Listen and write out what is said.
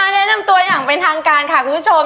แนะนำตัวอย่างเป็นทางการค่ะคุณผู้ชม